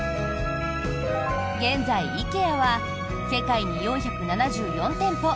現在、ＩＫＥＡは世界に４７４店舗